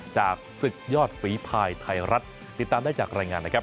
จากศึกยอดฝีภายไทยรัฐติดตามได้จากรายงานนะครับ